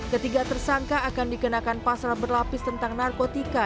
ketiga tersangka akan dikenakan pasal berlapis tentang narkotika